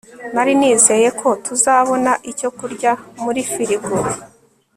nari nizeye ko tuzabona icyo kurya muri firigo